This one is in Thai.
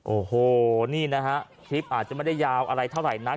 โอ้โหนี่นะฮะคลิปอาจจะไม่ได้ยาวอะไรเท่าไหร่นัก